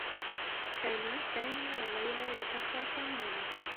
كانا سامي و ليلى يتخاصمان.